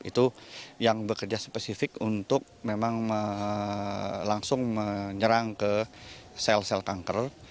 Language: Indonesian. itu yang bekerja spesifik untuk memang langsung menyerang ke sel sel kanker